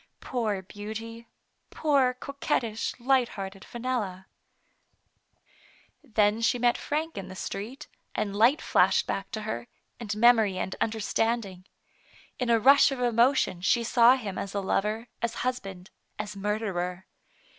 .Poor beauty! poor coquettish, light hearted Fenella ! Then she met Frank in the street, and light flashed back to her, and memory and understand ing. In a rush of emotion she saw him as a lover, as husband, as Murderer.